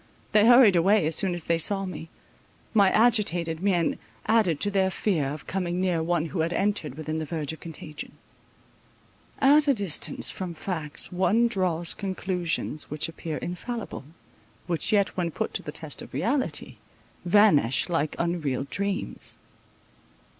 They hurried away, as soon as they saw me; my agitated mien added to their fear of coming near one who had entered within the verge of contagion. At a distance from facts one draws conclusions which appear infallible, which yet when put to the test of reality, vanish like unreal dreams.